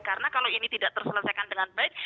karena kalau ini tidak terselesaikan dengan baik